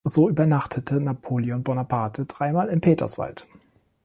So übernachtete Napoleon Bonaparte dreimal in Peterswald.